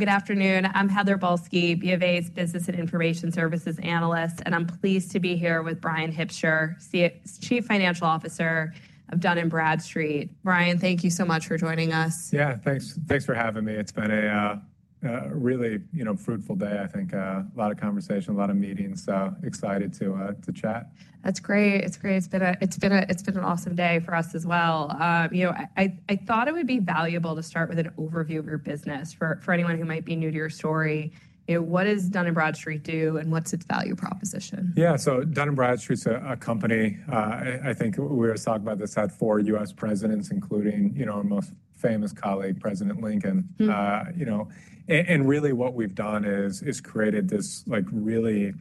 Good afternoon. I'm Heather Balsky, BofA's Business and Information Services Analyst, and I'm pleased to be here with Bryan Hipsher, Chief Financial Officer of Dun & Bradstreet. Brian, thank you so much for joining us. Yeah, thanks. Thanks for having me. It's been a really, you know, fruitful day, I think. A lot of conversation, a lot of meetings, so excited to chat. That's great. It's great. It's been an awesome day for us as well. You know, I thought it would be valuable to start with an overview of your business. For anyone who might be new to your story, you know, what does Dun & Bradstreet do, and what's its value proposition? Yeah, so Dun & Bradstreet's a company, I think we were talking about this had four U.S. presidents, including, you know, our most famous colleague, President Lincoln. Mm-hmm. You know, and really what we've done is created this, like, really,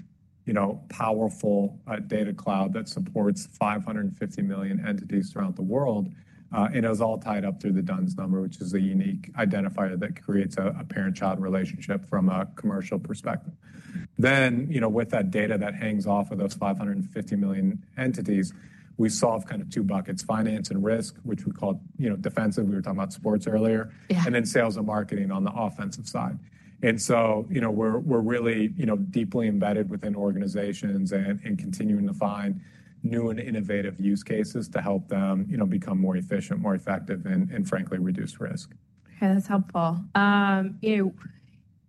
you know, powerful Data Cloud that supports 550 million entities throughout the world. And it was all tied up through the D-U-N-S Number, which is a unique identifier that creates a parent-child relationship from a commercial perspective. Then, you know, with that data that hangs off of those 550 million entities, we solve kind of two buckets: finance and risk, which we called, you know, defensive. We were talking about sports earlier. Yeah. Then sales and marketing on the offensive side. So, you know, we're really, you know, deeply embedded within organizations and continuing to find new and innovative use cases to help them, you know, become more efficient, more effective, and frankly, reduce risk. Okay. That's helpful. You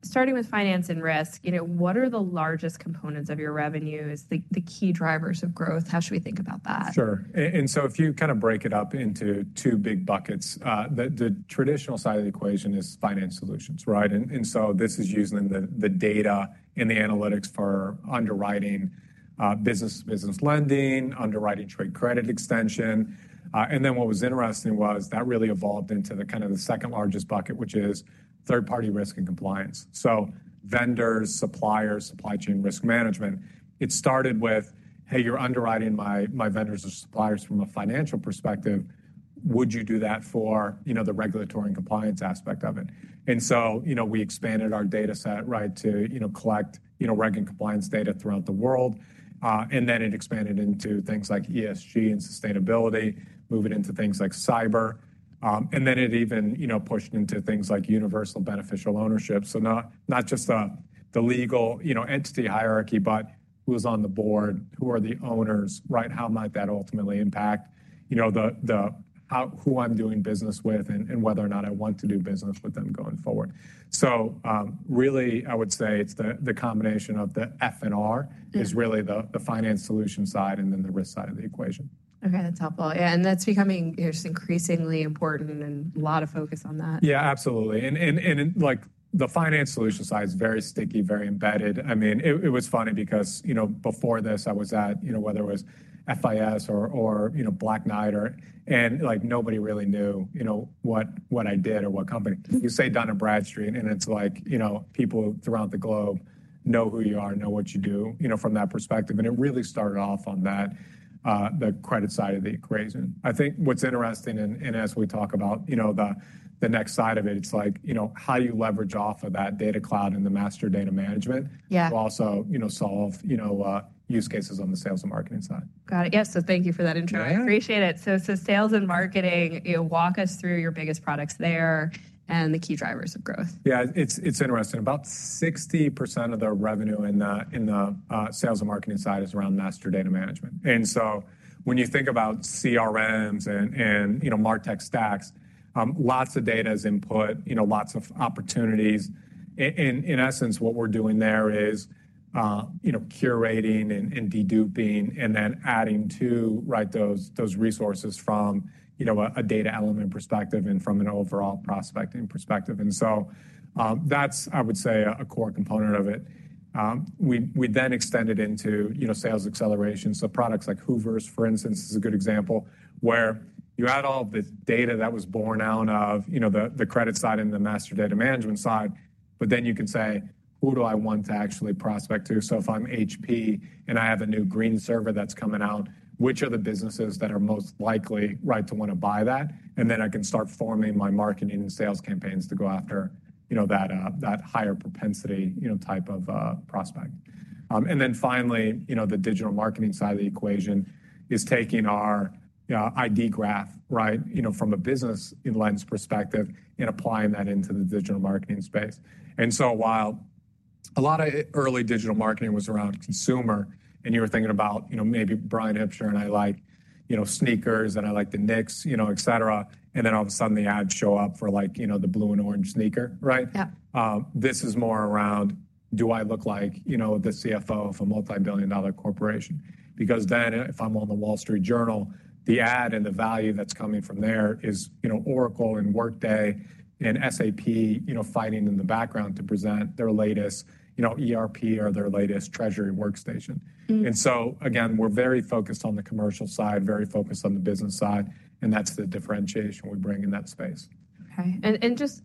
know, starting with finance and risk, you know, what are the largest components of your revenues? The key drivers of growth. How should we think about that? Sure. And so if you kind of break it up into two big buckets, the traditional side of the equation is finance solutions, right? And so this is using the data and the analytics for underwriting, business-to-business lending, underwriting trade credit extension. And then what was interesting was that really evolved into the kind of the second largest bucket, which is third-party risk and compliance. So vendors, suppliers, Supply Chain Risk Management. It started with, "Hey, you're underwriting my vendors or suppliers from a financial perspective. Would you do that for, you know, the regulatory and compliance aspect of it?" And so, you know, we expanded our dataset, right, to, you know, collect, you know, reg and compliance data throughout the world. And then it expanded into things like ESG and sustainability, moving into things like cyber. and then it even, you know, pushed into things like universal beneficial ownership. So not, not just the, the legal, you know, entity hierarchy, but who's on the board, who are the owners, right? How might that ultimately impact, you know, the, the how who I'm doing business with and, and whether or not I want to do business with them going forward? So, really, I would say it's the, the combination of the F and R is really the, the finance solution side and then the risk side of the equation. Okay. That's helpful. Yeah. And that's becoming, you know, just increasingly important and a lot of focus on that. Yeah, absolutely. And, like, the finance solution side is very sticky, very embedded. I mean, it was funny because, you know, before this, I was at, you know, whether it was FIS or, you know, Black Knight, or, like, nobody really knew, you know, what I did or what company. You say Dun & Bradstreet, and it's like, you know, people throughout the globe know who you are, know what you do, you know, from that perspective. And it really started off on that, the credit side of the equation. I think what's interesting in as we talk about, you know, the next side of it, it's like, you know, how do you leverage off of that Data Cloud and the Master Data Management. Yeah. To also, you know, solve, you know, use cases on the sales and marketing side. Got it. Yes. So thank you for that intro. I appreciate it. So sales and marketing, you know, walk us through your biggest products there and the key drivers of growth? Yeah. It's interesting. About 60% of the revenue in the sales and marketing side is around master data management. And so when you think about CRMs and, you know, MarTech stacks, lots of data is input, you know, lots of opportunities. And, in essence, what we're doing there is, you know, curating and de-duping, and then adding to those resources from a data element perspective and from an overall prospecting perspective. And so, that's, I would say, a core component of it. We then extended into, you know, sales acceleration. So products like Hoovers, for instance, is a good example, where you add all of the data that was born out of, you know, the credit side and the master data management side, but then you can say, "Who do I want to actually prospect to?" So if I'm HP and I have a new green server that's coming out, which are the businesses that are most likely, right, to want to buy that? And then I can start forming my marketing and sales campaigns to go after, you know, that higher propensity, you know, type of prospect. And then finally, you know, the digital marketing side of the equation is taking our ID graph, right, you know, from a business lens perspective and applying that into the digital marketing space. While a lot of early digital marketing was around consumer, and you were thinking about, you know, maybe Bryan Hipsher and I like, you know, sneakers, and I like the Knicks, you know, etc., and then all of a sudden the ads show up for, like, you know, the blue and orange sneaker, right? Yeah. This is more around, "Do I look like, you know, the CFO of a multibillion-dollar corporation?" Because then if I'm on the Wall Street Journal, the ad and the value that's coming from there is, you know, Oracle and Workday and SAP, you know, fighting in the background to present their latest, you know, ERP or their latest treasury workstation. And so again, we're very focused on the commercial side, very focused on the business side, and that's the differentiation we bring in that space. Okay. And just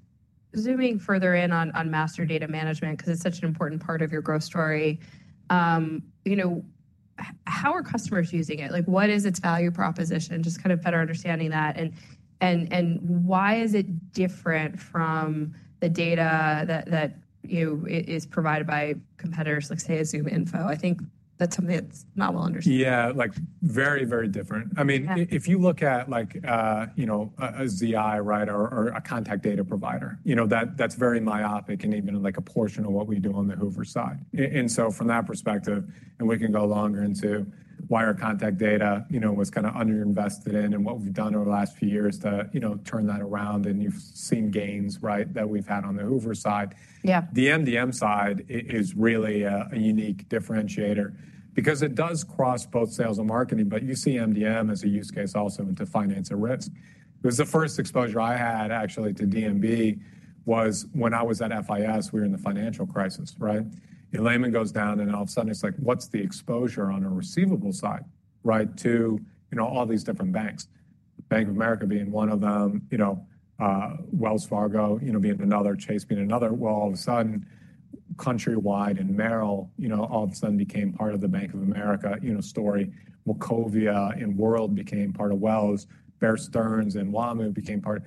zooming further in on master data management because it's such an important part of your growth story, you know, how are customers using it? Like, what is its value proposition? Just kind of better understanding that. And why is it different from the data that, you know, is provided by competitors, like, say, ZoomInfo? I think that's something that's not well understood. Yeah. Like, very, very different. I mean, if you look at, like, you know, a ZI, right, or a contact data provider, you know, that's very myopic and even like a portion of what we do on the Hoovers side. And so from that perspective, and we can go longer into why our contact data, you know, was kind of underinvested in and what we've done over the last few years to, you know, turn that around, and you've seen gains, right, that we've had on the Hoovers side. Yeah. The MDM side is really a unique differentiator because it does cross both sales and marketing, but you see MDM as a use case also into finance and risk. It was the first exposure I had actually to D&B was when I was at FIS. We were in the financial crisis, right? And Lehman goes down, and all of a sudden, it's like, "What's the exposure on the receivable side, right, to, you know, all these different banks?" Bank of America being one of them, you know, Wells Fargo, you know, being another, Chase being another. Well, all of a sudden, Countrywide and Merrill, you know, all of a sudden became part of the Bank of America, you know, story. Wachovia and World became part of Wells. Bear Stearns and WaMu became part.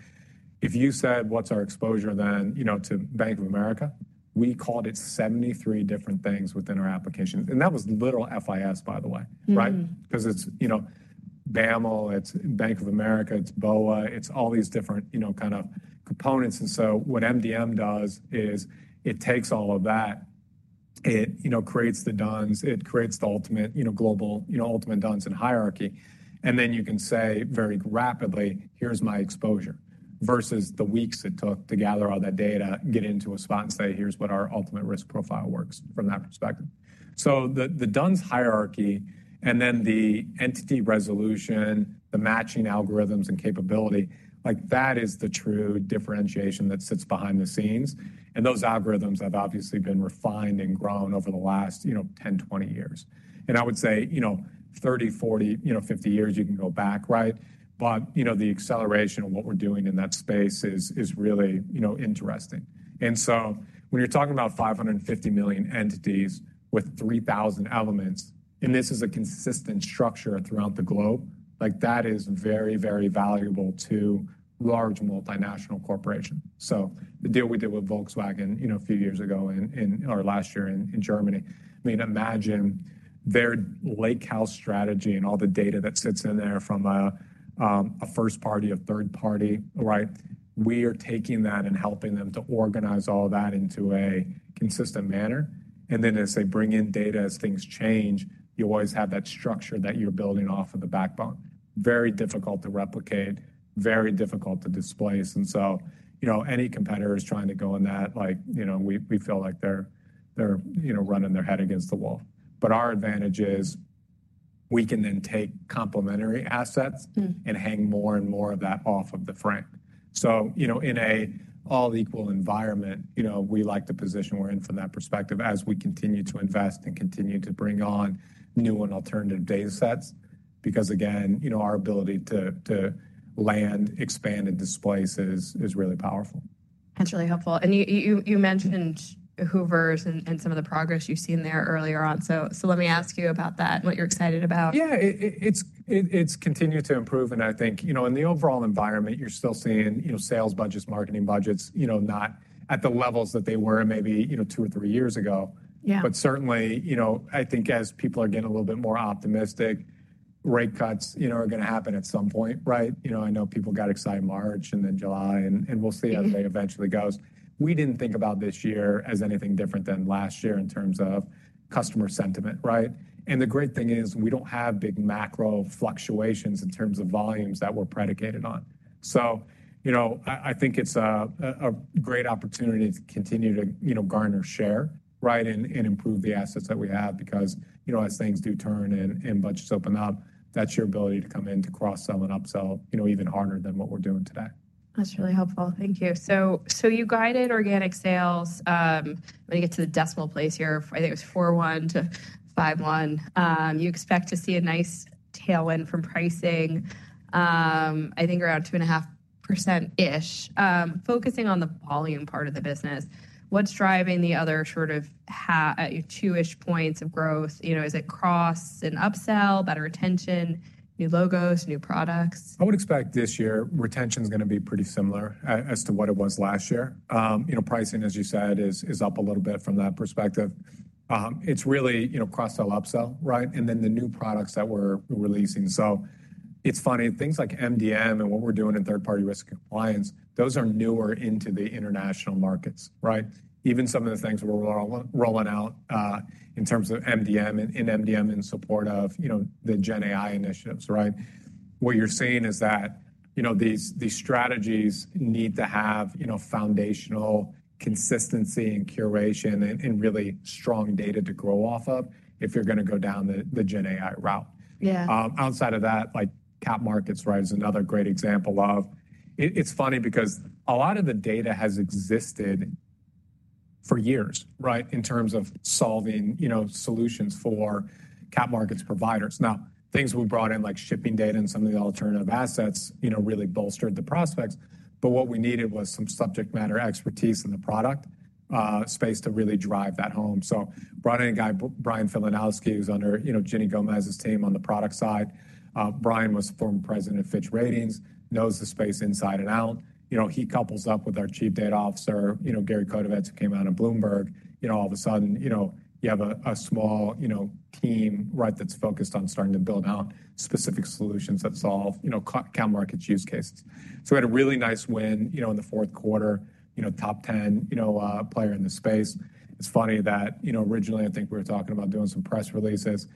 If you said, "What's our exposure then, you know, to Bank of America?" We called it 73 different things within our application. And that was literal FIS, by the way, right? Because it's, you know, BAML. It's Bank of America. It's BOA. It's all these different, you know, kind of components. And so what MDM does is it takes all of that. It, you know, creates the DUNS. It creates the ultimate, you know, global, you know, ultimate DUNS and hierarchy. And then you can say very rapidly, "Here's my exposure," versus the weeks it took to gather all that data, get into a spot, and say, "Here's what our ultimate risk profile works from that perspective." So the DUNS hierarchy and then the entity resolution, the matching algorithms and capability, like, that is the true differentiation that sits behind the scenes. Those algorithms have obviously been refined and grown over the last, you know, 10, 20 years. And I would say, you know, 30, 40, you know, 50 years you can go back, right? But, you know, the acceleration of what we're doing in that space is, is really, you know, interesting. And so when you're talking about 550 million entities with 3,000 elements, and this is a consistent structure throughout the globe, like, that is very, very valuable to large multinational corporations. So the deal we did with Volkswagen, you know, a few years ago in, in or last year in, in Germany, I mean, imagine their lakehouse strategy and all the data that sits in there from a first-party, a third-party, right? We are taking that and helping them to organize all that into a consistent manner. And then as they bring in data, as things change, you always have that structure that you're building off of the backbone. Very difficult to replicate. Very difficult to displace. And so, you know, any competitor is trying to go on that, like, you know, we feel like they're, you know, running their head against the wall. But our advantage is we can then take complementary assets. Mm-hmm. Hang more and more of that off of the frame. So, you know, in an all-equal environment, you know, we like the position we're in from that perspective as we continue to invest and continue to bring on new and alternative datasets because, again, you know, our ability to land, expand, and displace is really powerful. That's really helpful. And you mentioned Hoovers and some of the progress you've seen there earlier on. So let me ask you about that and what you're excited about. Yeah. It's continued to improve. And I think, you know, in the overall environment, you're still seeing, you know, sales budgets, marketing budgets, you know, not at the levels that they were maybe, you know, two or three years ago. Yeah. But certainly, you know, I think as people are getting a little bit more optimistic, rate cuts, you know, are going to happen at some point, right? You know, I know people got excited March and then July, and we'll see how they eventually go. We didn't think about this year as anything different than last year in terms of customer sentiment, right? And the great thing is we don't have big macro fluctuations in terms of volumes that we're predicated on. So, you know, I think it's a great opportunity to continue to, you know, garner share, right, and improve the assets that we have because, you know, as things do turn and budgets open up, that's your ability to come in to cross-sell and upsell, you know, even harder than what we're doing today. That's really helpful. Thank you. So, so you guided organic sales, I'm going to get to the decimal place here. I think it was 4.1-5.1. You expect to see a nice tailwind from pricing, I think around 2.5%-ish. Focusing on the volume part of the business, what's driving the other sort of your two-ish points of growth? You know, is it cross and upsell, better retention, new logos, new products? I would expect this year, retention's going to be pretty similar as to what it was last year. You know, pricing, as you said, is up a little bit from that perspective. It's really, you know, cross-sell, upsell, right? And then the new products that we're releasing. So it's funny. Things like MDM and what we're doing in third-party risk and compliance, those are newer into the international markets, right? Even some of the things we're rolling out, in terms of MDM and MDM in support of, you know, the GenAI initiatives, right? What you're seeing is that, you know, these strategies need to have, you know, foundational consistency and curation and really strong data to grow off of if you're going to go down the GenAI route. Yeah. Outside of that, like, cap markets, right, is another great example of it. It's funny because a lot of the data has existed for years, right, in terms of solving, you know, solutions for cap markets providers. Now, things we brought in, like shipping data and some of the alternative assets, you know, really bolstered the prospects. But what we needed was some subject matter expertise in the product space to really drive that home. So brought in a guy, Bryan Filanowski, who's under, you know, Ginny Gomez's team on the product side. Brian was former President of Fitch Ratings, knows the space inside and out. You know, he couples up with our Chief Data Officer, you know, Gary Kotovets, who came out of Bloomberg. You know, all of a sudden, you know, you have a small, you know, team, right, that's focused on starting to build out specific solutions that solve, you know, capital markets use cases. So we had a really nice win, you know, in the fourth quarter, you know, top 10, you know, player in the space. It's funny that, you know, originally, I think we were talking about doing some press releases.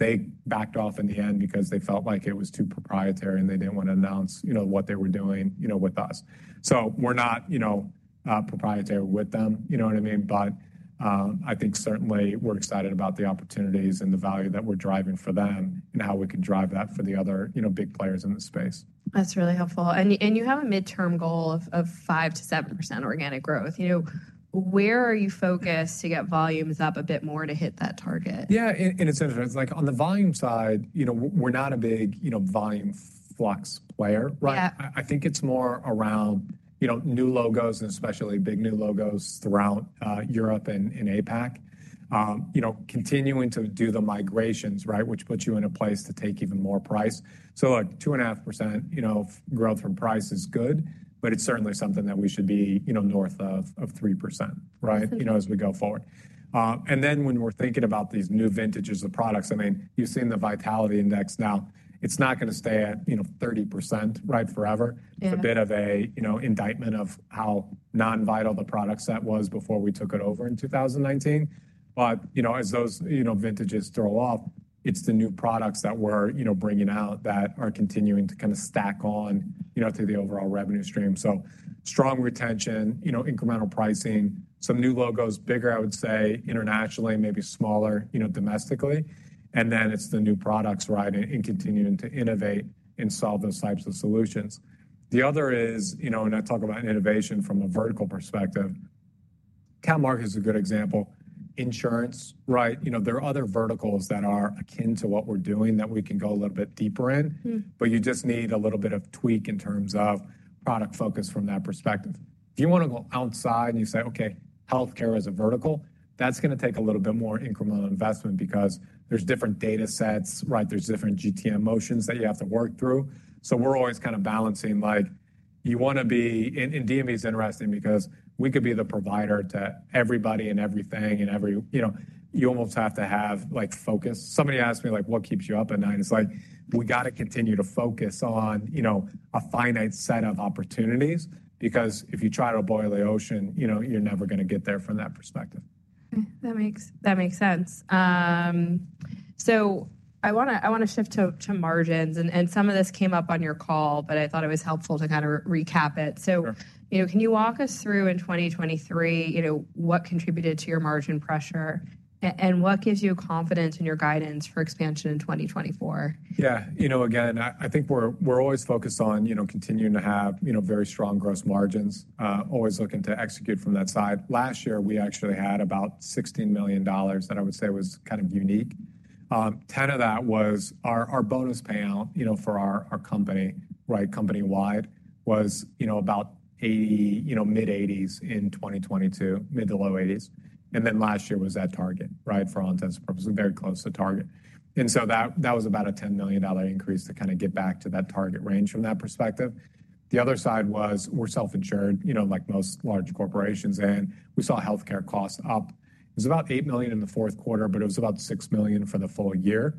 They backed off in the end because they felt like it was too proprietary, and they didn't want to announce, you know, what they were doing, you know, with us. So we're not, you know, proprietary with them, you know what I mean? But, I think certainly we're excited about the opportunities and the value that we're driving for them and how we can drive that for the other, you know, big players in the space. That's really helpful. And you have a midterm goal of 5%-7% organic growth. You know, where are you focused to get volumes up a bit more to hit that target? Yeah. And it's interesting. It's like on the volume side, you know, we're not a big, you know, volume flux player, right? Yeah. I think it's more around, you know, new logos and especially big new logos throughout Europe and APAC. You know, continuing to do the migrations, right, which puts you in a place to take even more price. So like 2.5%, you know, growth from price is good, but it's certainly something that we should be, you know, north of 3%, right, you know, as we go forward. And then when we're thinking about these new vintages of products, I mean, you've seen the Vitality Index now. It's not going to stay at, you know, 30%, right, forever. It's a bit of a, you know, indictment of how non-vital the product set was before we took it over in 2019. But, you know, as those, you know, vintages throw off, it's the new products that we're, you know, bringing out that are continuing to kind of stack on, you know, to the overall revenue stream. So strong retention, you know, incremental pricing, some new logos bigger, I would say, internationally, maybe smaller, you know, domestically. And then it's the new products, right, and, and continuing to innovate and solve those types of solutions. The other is, you know, and I talk about innovation from a vertical perspective. Cap market is a good example. Insurance, right? You know, there are other verticals that are akin to what we're doing that we can go a little bit deeper in. Mm-hmm. But you just need a little bit of tweak in terms of product focus from that perspective. If you want to go outside and you say, "Okay, healthcare is a vertical," that's going to take a little bit more incremental investment because there's different datasets, right? There's different GTM motions that you have to work through. So we're always kind of balancing. Like, you want to be and, and D&B's interesting because we could be the provider to everybody and everything and every you know, you almost have to have, like, focus. Somebody asked me, like, "What keeps you up at night?" It's like, "We got to continue to focus on, you know, a finite set of opportunities because if you try to boil the ocean, you know, you're never going to get there from that perspective. Okay. That makes sense. So I want to shift to margins. And some of this came up on your call, but I thought it was helpful to kind of recap it. So. Sure. You know, can you walk us through in 2023, you know, what contributed to your margin pressure? And what gives you confidence in your guidance for expansion in 2024? Yeah. You know, again, I think we're always focused on, you know, continuing to have, you know, very strong gross margins, always looking to execute from that side. Last year, we actually had about $16 million that I would say was kind of unique. 10 of that was our bonus payout, you know, for our company, right, company-wide, was, you know, about 80%, you know, mid-80s% in 2022, mid- to low 80s%. And then last year was at target, right, for incentive purposes, very close to target. And so that was about a $10 million increase to kind of get back to that target range from that perspective. The other side was we're self-insured, you know, like most large corporations, and we saw healthcare costs up. It was about $8 million in the fourth quarter, but it was about $6 million for the full year.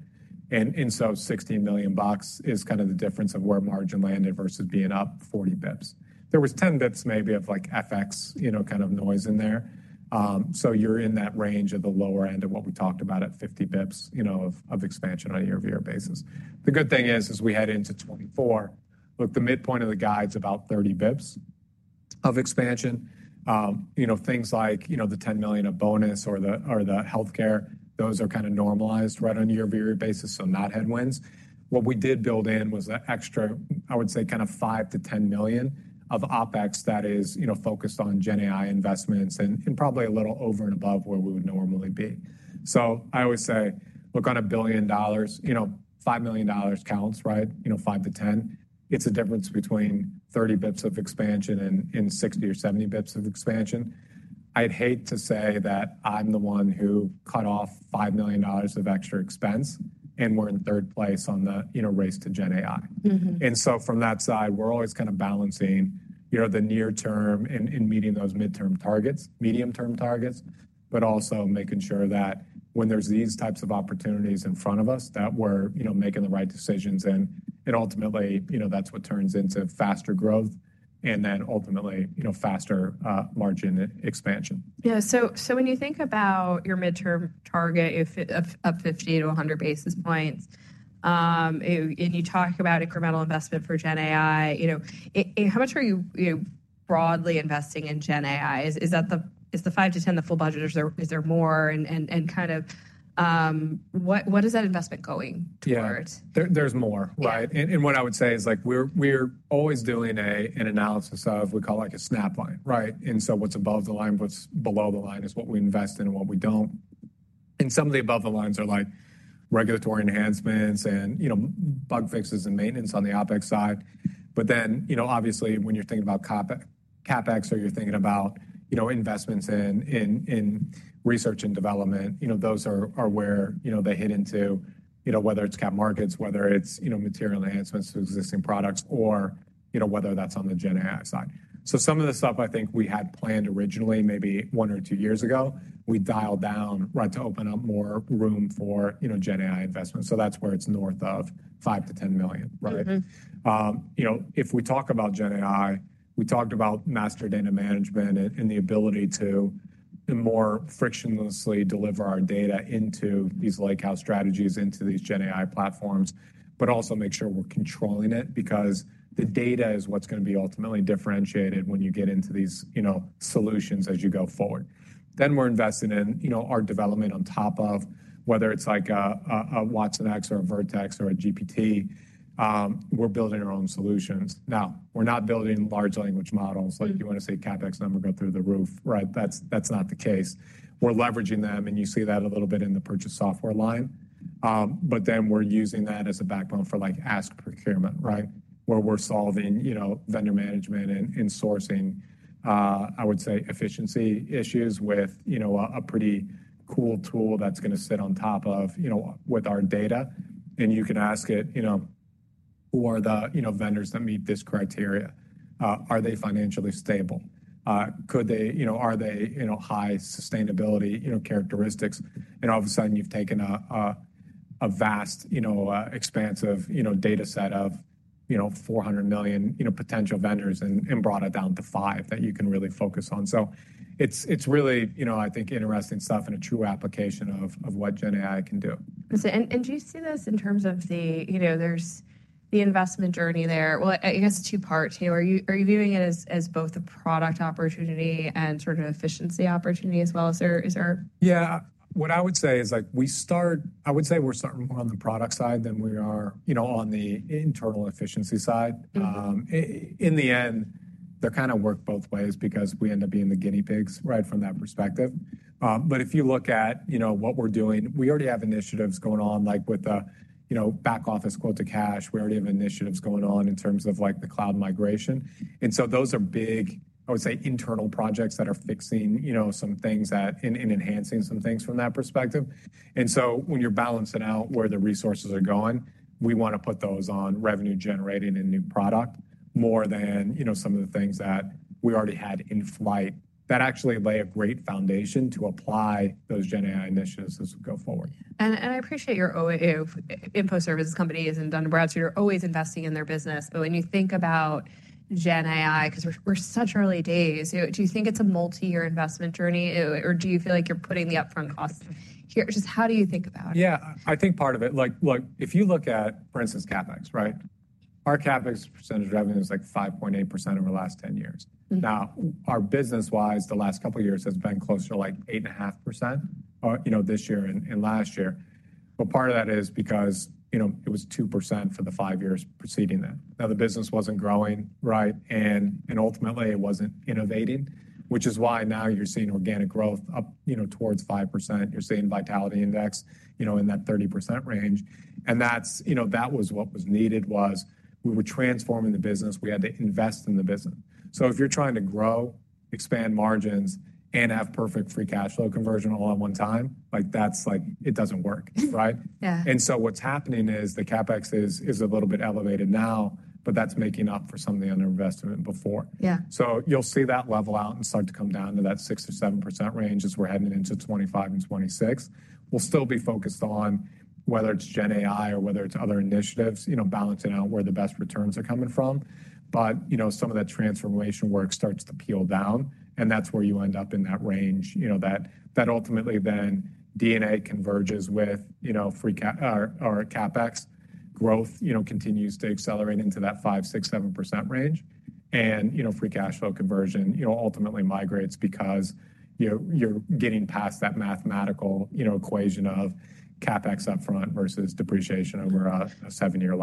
And so $16 million is kind of the difference of where margin landed versus being up 40 bips. There was 10 bips maybe of, like, FX, you know, kind of noise in there. So you're in that range of the lower end of what we talked about at 50 bips, you know, of, of expansion on a year-over-year basis. The good thing is, as we head into 2024, look, the midpoint of the guide's about 30 bips of expansion. You know, things like, you know, the $10 million of bonus or the or the healthcare, those are kind of normalized right on a year-over-year basis, so not headwinds. What we did build in was the extra, I would say, kind of $5 million-$10 million of OPEX that is, you know, focused on GenAI investments and, and probably a little over and above where we would normally be. So I always say, look, on $1 billion, you know, $5 million counts, right, you know, 5-10. It's a difference between 30 basis points of expansion and 60 or 70 basis points of expansion. I'd hate to say that I'm the one who cut off $5 million of extra expense, and we're in third place on the, you know, race to GenAI. Mm-hmm. And so from that side, we're always kind of balancing, you know, the near-term and meeting those midterm targets, medium-term targets, but also making sure that when there's these types of opportunities in front of us that we're, you know, making the right decisions and ultimately, you know, that's what turns into faster growth and then ultimately, you know, faster margin expansion. Yeah. So when you think about your midterm target of 50-100 basis points, and you talk about incremental investment for GenAI, you know, how much are you, you know, broadly investing in GenAI? Is that the 5-10 the full budget, or is there more and, and kind of, what is that investment going towards? Yeah. There's more, right? And what I would say is, like, we're always doing an analysis of what we call, like, a snap line, right? And so what's above the line, what's below the line is what we invest in and what we don't. And some of the above-the-lines are, like, regulatory enhancements and, you know, bug fixes and maintenance on the OPEX side. But then, you know, obviously, when you're thinking about OPEX, CAPEX, or you're thinking about, you know, investments in research and development, you know, those are where, you know, they hit into, you know, whether it's cap markets, whether it's, you know, material enhancements to existing products, or, you know, whether that's on the GenAI side. So some of the stuff I think we had planned originally maybe one or two years ago, we dialed down, right, to open up more room for, you know, GenAI investments. So that's where it's north of $5 million-$10 million, right? Mm-hmm. You know, if we talk about GenAI, we talked about master data management and, and the ability to more frictionlessly deliver our data into these lakehouse strategies, into these GenAI platforms, but also make sure we're controlling it because the data is what's going to be ultimately differentiated when you get into these, you know, solutions as you go forward. Then we're investing in, you know, our development on top of whether it's like a watsonx or a Vertex or a GPT. We're building our own solutions. Now, we're not building large language models. Like, you want to say CapEx numbers go through the roof, right? That's not the case. We're leveraging them, and you see that a little bit in the purchase software line. But then we're using that as a backbone for, like, Ask Procurement, right, where we're solving, you know, vendor management and sourcing, I would say, efficiency issues with, you know, a pretty cool tool that's going to sit on top of, you know, with our data. And you can ask it, you know, who are the, you know, vendors that meet this criteria? Are they financially stable? Could they, you know, are they, you know, high sustainability, you know, characteristics? And all of a sudden, you've taken a vast, you know, expansive, you know, dataset of, you know, 400 million, you know, potential vendors and brought it down to five that you can really focus on. So it's really, you know, I think, interesting stuff and a true application of what GenAI can do. I see. And do you see this in terms of the, you know, there's the investment journey there? Well, I guess it's two-part. Are you viewing it as both a product opportunity and sort of efficiency opportunity as well? Is there? Yeah. What I would say is, like, we start I would say we're starting more on the product side than we are, you know, on the internal efficiency side. In the end, they kind of work both ways because we end up being the guinea pigs, right, from that perspective. But if you look at, you know, what we're doing, we already have initiatives going on, like, with a, you know, back-office Quote to Cash. We already have initiatives going on in terms of, like, the Cloud Migration. And so those are big, I would say, internal projects that are fixing, you know, some things and enhancing some things from that perspective. And so when you're balancing out where the resources are going, we want to put those on revenue generating and new product more than, you know, some of the things that we already had in flight that actually lay a great foundation to apply those GenAI initiatives as we go forward. I appreciate your info services companies and Dun & Bradstreet are always investing in their business. But when you think about GenAI because we're such early days, do you think it's a multi-year investment journey, or do you feel like you're putting the upfront costs here? Just how do you think about it? Yeah. I think part of it like, look, if you look at, for instance, CAPEX, right, our CAPEX percentage revenue is like 5.8% over the last 10 years. Now, our business-wise, the last couple of years has been closer to like 8.5%, or, you know, this year and, and last year. But part of that is because, you know, it was 2% for the 5 years preceding that. Now, the business wasn't growing, right, and, and ultimately, it wasn't innovating, which is why now you're seeing organic growth up, you know, towards 5%. You're seeing Vitality Index, you know, in that 30% range. And that's you know, that was what was needed was we were transforming the business. We had to invest in the business. So if you're trying to grow, expand margins, and have perfect Free Cash Flow Conversion all at one time, like, that's like it doesn't work, right? Yeah. What's happening is the CAPEX is a little bit elevated now, but that's making up for some of the uninvestment before. Yeah. So you'll see that level out and start to come down to that 6%-7% range as we're heading into 2025 and 2026. We'll still be focused on whether it's GenAI or whether it's other initiatives, you know, balancing out where the best returns are coming from. But, you know, some of that transformation work starts to peel down, and that's where you end up in that range, you know, that, that ultimately then D&A converges with, you know, free cash, our, our CAPEX growth, you know, continues to accelerate into that 5%-7% range. And, you know, free cash flow conversion, you know, ultimately migrates because, you know, you're getting past that mathematical, you know, equation of CAPEX upfront versus depreciation over a, a 7-year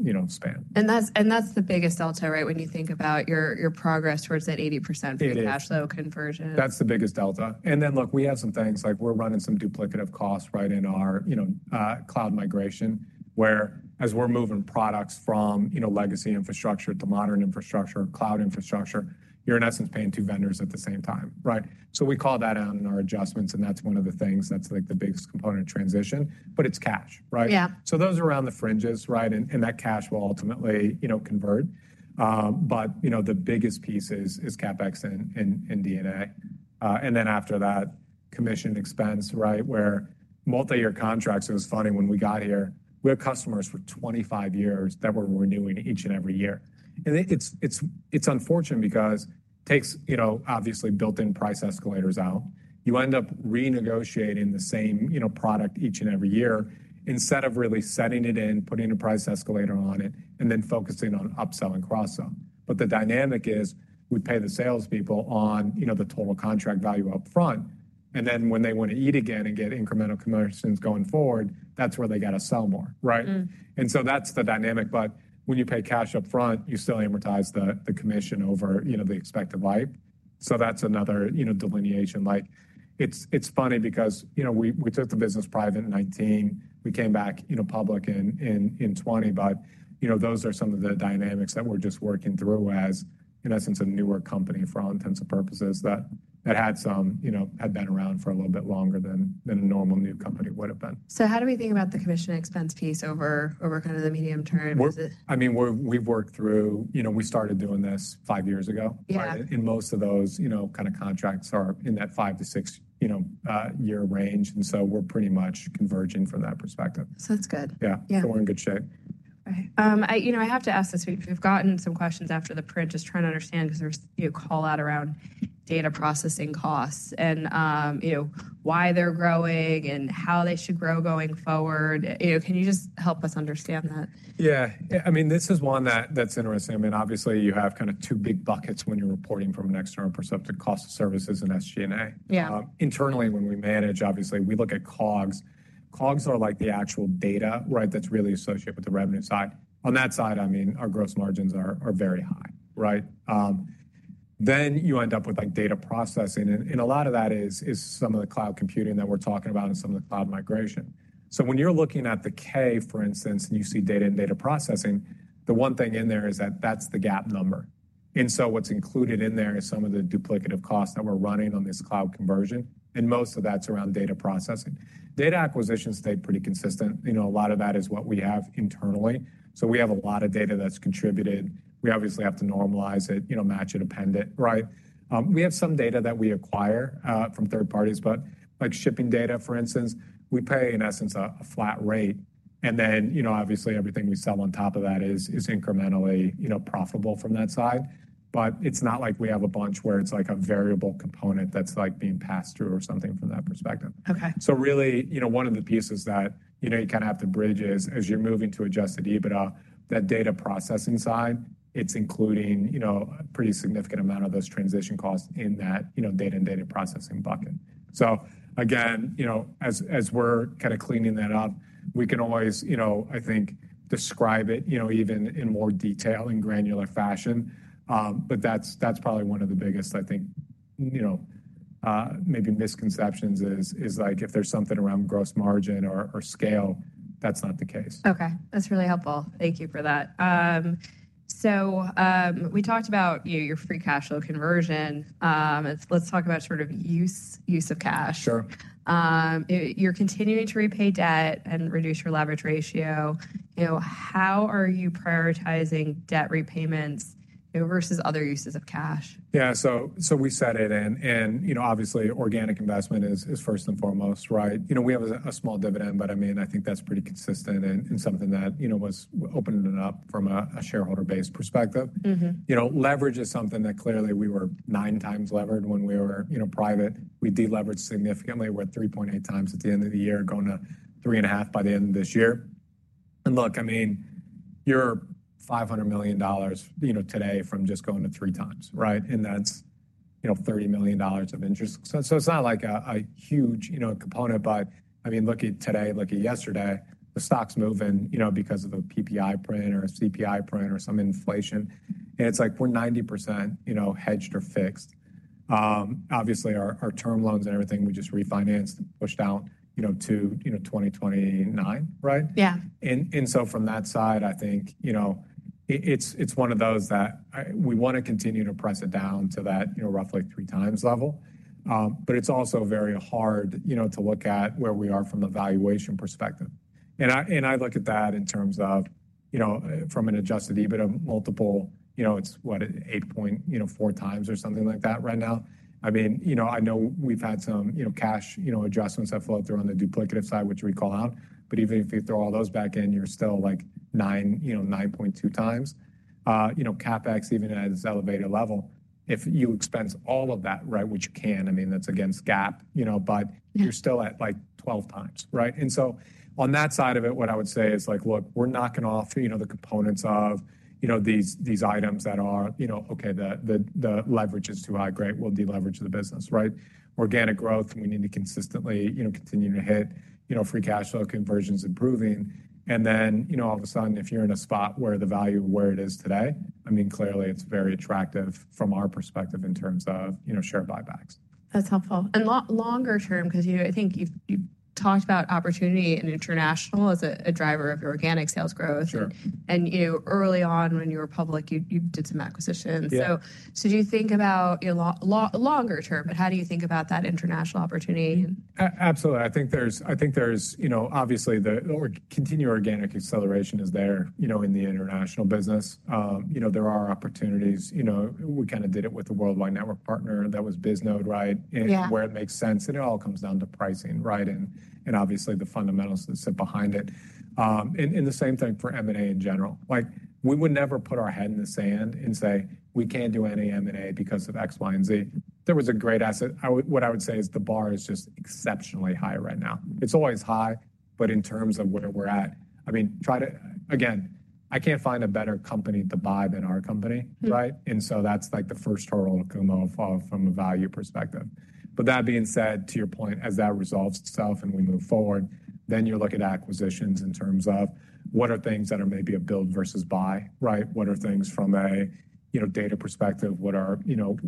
life, you know, span. That's the biggest delta, right, when you think about your progress towards that 80% free cash flow conversion? It is. That's the biggest delta. And then, look, we have some things. Like, we're running some duplicative costs right in our, you know, cloud migration where, as we're moving products from, you know, legacy infrastructure to modern infrastructure, cloud infrastructure, you're, in essence, paying two vendors at the same time, right? So we call that out in our adjustments, and that's one of the things that's, like, the biggest component of transition. But it's cash, right? Yeah. So those are around the fringes, right? And that cash will ultimately, you know, convert. But, you know, the biggest piece is CapEx and D&A. And then after that, commission expense, right, where multi-year contracts—it was funny when we got here, we had customers for 25 years that were renewing each and every year. And it's unfortunate because it takes, you know, obviously, built-in price escalators out. You end up renegotiating the same, you know, product each and every year instead of really setting it in, putting a price escalator on it, and then focusing on upsell and cross-sell. But the dynamic is we pay the salespeople on, you know, the total contract value upfront. And then when they want to eat again and get incremental commissions going forward, that's where they got to sell more, right? And so that's the dynamic. But when you pay cash upfront, you still amortize the commission over, you know, the expected life. So that's another, you know, delineation. Like, it's funny because, you know, we took the business private in 2019. We came back, you know, public in 2020. But, you know, those are some of the dynamics that we're just working through as, in essence, a newer company for accounting purposes that had, you know, been around for a little bit longer than a normal new company would have been. How do we think about the commission expense piece over kind of the medium term? Is it? Well, I mean, we've worked through, you know, we started doing this five years ago. Yeah. In most of those, you know, kind of contracts are in that 5-6 year range. So we're pretty much converging from that perspective. That's good. Yeah. Yeah. We're in good shape. All right. I, you know, I have to ask this week. We've gotten some questions after the print. Just trying to understand because there's, you know, callout around data processing costs and, you know, why they're growing and how they should grow going forward. You know, can you just help us understand that? Yeah. I mean, this is one that, that's interesting. I mean, obviously, you have kind of two big buckets when you're reporting from an external perspective: cost of services and SG&A. Yeah. Internally, when we manage, obviously, we look at COGS. COGS are, like, the actual data, right, that's really associated with the revenue side. On that side, I mean, our gross margins are, are very high, right? Then you end up with, like, data processing. And a lot of that is some of the cloud computing that we're talking about and some of the cloud migration. So when you're looking at the K, for instance, and you see data and data processing, the one thing in there is that that's the GAAP number. And so what's included in there is some of the duplicative costs that we're running on this cloud conversion. And most of that's around data processing. Data acquisitions stay pretty consistent. You know, a lot of that is what we have internally. So we have a lot of data that's contributed. We obviously have to normalize it, you know, match it, append it, right? We have some data that we acquire from third parties. But, like, shipping data, for instance, we pay, in essence, a flat rate. And then, you know, obviously, everything we sell on top of that is incrementally, you know, profitable from that side. But it's not like we have a bunch where it's, like, a variable component that's, like, being passed through or something from that perspective. Okay. So really, you know, one of the pieces that, you know, you kind of have to bridge is, as you're moving to adjusted EBITDA, that data processing side, it's including, you know, a pretty significant amount of those transition costs in that, you know, data and data processing bucket. So again, you know, as, as we're kind of cleaning that up, we can always, you know, I think, describe it, you know, even in more detail in granular fashion. But that's, that's probably one of the biggest, I think, you know, maybe misconceptions is, is, like, if there's something around gross margin or, or scale, that's not the case. Okay. That's really helpful. Thank you for that. So, we talked about, you know, your Free Cash Flow Conversion. Let's talk about sort of use of cash. Sure. You're continuing to repay debt and reduce your leverage ratio. You know, how are you prioritizing debt repayments, you know, versus other uses of cash? Yeah. So we set it. And you know, obviously, organic investment is first and foremost, right? You know, we have a small dividend. But I mean, I think that's pretty consistent and something that you know was opening it up from a shareholder-based perspective. You know, leverage is something that clearly we were 9x levered when we were, you know, private. We deleveraged significantly. We're 3.8x at the end of the year, going to 3.5x by the end of this year. And look, I mean, you're $500 million, you know, today from just going to 3x, right? And that's, you know, $30 million of interest. So it's not like a huge, you know, component. But I mean, looking today, looking yesterday, the stock's moving, you know, because of a PPI print or a CPI print or some inflation. And it's like we're 90%, you know, hedged or fixed. Obviously, our, our term loans and everything, we just refinanced, pushed out, you know, to, you know, 2029, right? Yeah. And so from that side, I think, you know, it's one of those that we want to continue to press it down to that, you know, roughly 3x level. But it's also very hard, you know, to look at where we are from the valuation perspective. And I look at that in terms of, you know, from an adjusted EBITDA multiple, you know, it's what, 8.4x or something like that right now. I mean, you know, I know we've had some, you know, cash, you know, adjustments that flow through on the de-duplicative side, which we call out. But even if you throw all those back in, you're still, like, 9.2x. You know, CapEx, even at its elevated level, if you expense all of that, right, which you can—I mean, that's against GAAP, you know, but you're still at, like, 12x, right? And so on that side of it, what I would say is, like, look, we're knocking off, you know, the components of, you know, these items that are, you know, okay, the leverage is too high. Great. We'll deleverage the business, right? Organic growth, we need to consistently, you know, continue to hit, you know, free cash flow conversions improving. And then, you know, all of a sudden, if you're in a spot where the value of where it is today, I mean, clearly, it's very attractive from our perspective in terms of, you know, share buybacks. That's helpful. And longer term because, I think, you've talked about opportunity in international as a driver of your organic sales growth. Sure. You know, early on when you were public, you did some acquisitions. Do you think about, you know, longer term, but how do you think about that international opportunity? Absolutely. I think there's, you know, obviously, the continued organic acceleration is there, you know, in the international business. You know, there are opportunities. You know, we kind of did it with the Worldwide Network partner that was Bisnode, right, and where it makes sense. And it all comes down to pricing, right, and obviously, the fundamentals that sit behind it. And the same thing for M&A in general. Like, we would never put our head in the sand and say, "We can't do any M&A because of X, Y, and Z." There was a great asset. I would say is the bar is just exceptionally high right now. It's always high, but in terms of where we're at, I mean, try to again, I can't find a better company to buy than our company, right? And so that's, like, the first hurdle to come off of from a value perspective. But that being said, to your point, as that resolves itself and we move forward, then you're looking at acquisitions in terms of what are things that are maybe a build versus buy, right? What are things from a, you know, data perspective? What are, you know,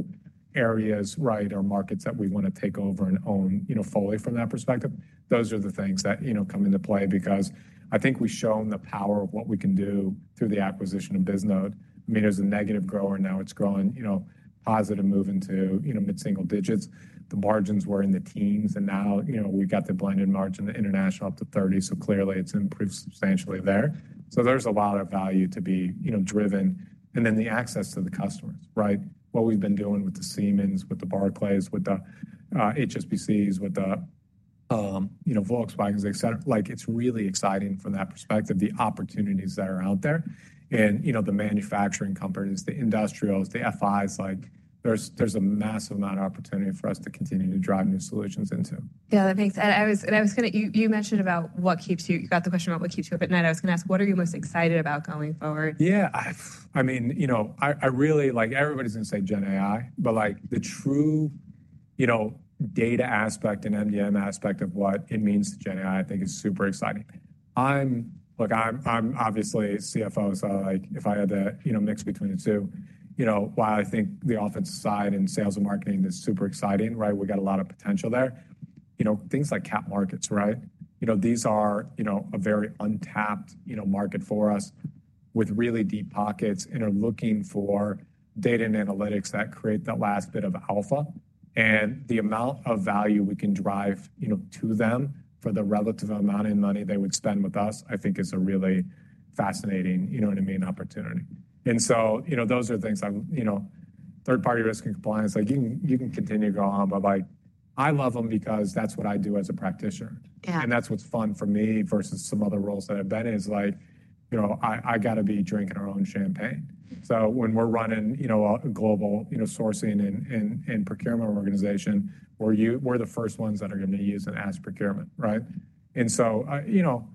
areas, right, or markets that we want to take over and own, you know, fully from that perspective? Those are the things that, you know, come into play because I think we've shown the power of what we can do through the acquisition of Bisnode. I mean, it was a negative grower. Now it's growing, you know, positive, moving to, you know, mid-single digits. The margins were in the teens. And now, you know, we've got the blended margin international up to 30. So clearly, it's improved substantially there. So there's a lot of value to be, you know, driven. And then the access to the customers, right? What we've been doing with the Siemens, with the Barclays, with the HSBCs, with the, you know, Volkswagens, etc. Like, it's really exciting from that perspective, the opportunities that are out there. And, you know, the manufacturing companies, the industrials, the FIs, like, there's, there's a massive amount of opportunity for us to continue to drive new solutions into. Yeah. That makes sense, and I was going to ask you. You mentioned about what keeps you up at night. You got the question about what keeps you up at night. I was going to ask, what are you most excited about going forward? Yeah. I mean, you know, I really like, everybody's going to say GenAI. But, like, the true, you know, data aspect and MDM aspect of what it means to GenAI, I think, is super exciting. I'm obviously CFO. So, like, if I had to, you know, mix between the two, you know, while I think the offense side and sales and marketing is super exciting, right, we got a lot of potential there, you know, things like capital markets, right? You know, these are, you know, a very untapped, you know, market for us with really deep pockets. And they're looking for data and analytics that create that last bit of alpha. The amount of value we can drive, you know, to them for the relative amount in money they would spend with us, I think, is a really fascinating, you know what I mean, opportunity. So, you know, those are things I'm, you know, Third-Party Risk and Compliance. Like, you can you can continue to go on. But, like, I love them because that's what I do as a practitioner. Yeah. That's what's fun for me versus some other roles that I've been in, like, you know, I got to be drinking our own champagne. So when we're running, you know, a global sourcing and procurement organization, we're the first ones that are going to use Ask Procurement, right? And so, you know,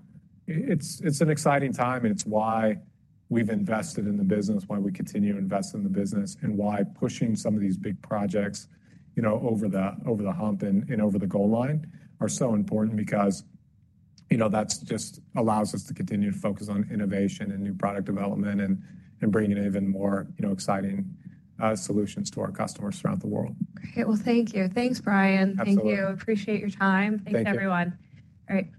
it's an exciting time. And it's why we've invested in the business, why we continue to invest in the business, and why pushing some of these big projects, you know, over the hump and over the goal line are so important because, you know, that just allows us to continue to focus on innovation and new product development and bringing even more, you know, exciting solutions to our customers throughout the world. Okay. Well, thank you. Thanks, Bryan. Absolutely. Thank you. Appreciate your time. Thank you. Thanks, everyone. All right. Thank you.